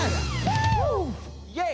イエーイ！